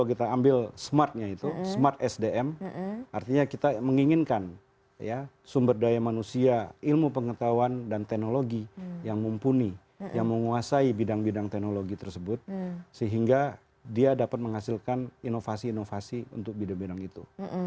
kita ambil smartnya itu smart sdm artinya kita menginginkan sumber daya manusia ilmu pengetahuan dan teknologi yang mumpuni yang menguasai bidang bidang teknologi tersebut sehingga dia dapat menghasilkan inovasi inovasi untuk bidang bidang itu